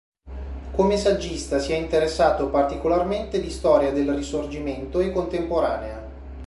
Come saggista si è interessato particolarmente di storia del Risorgimento e contemporanea.